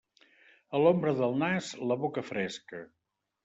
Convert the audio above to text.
A l'ombra del nas, la boca fresca.